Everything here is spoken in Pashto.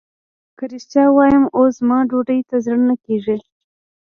که رښتيا ووايم اوس زما ډوډۍ ته زړه نه کېږي.